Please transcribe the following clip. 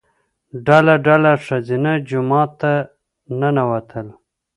ډله ډله ښځینه جومات ته ننوتل.